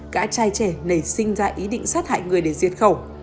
cả trai trẻ nảy sinh ra ý định sát hại người để diệt khẩu